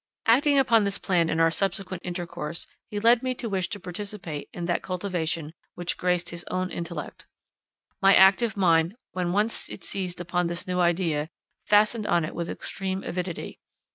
Acting upon this plan in our subsequent intercourse, he led me to wish to participate in that cultivation which graced his own intellect. My active mind, when once it seized upon this new idea, fastened on it with extreme avidity.